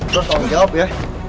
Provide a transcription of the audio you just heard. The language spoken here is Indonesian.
tolong jawab ya